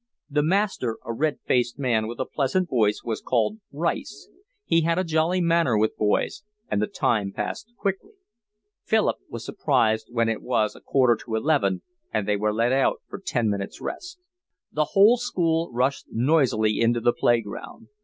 The master, a red faced man with a pleasant voice, was called Rice; he had a jolly manner with boys, and the time passed quickly. Philip was surprised when it was a quarter to eleven and they were let out for ten minutes' rest. The whole school rushed noisily into the play ground.